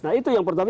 nah itu yang pertama